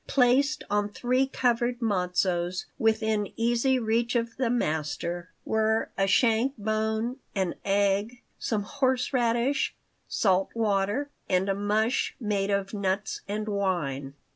Placed on three covered matzos, within easy reach of the master, were a shank bone, an egg, some horseradish, salt water, and a mush made of nuts and wine.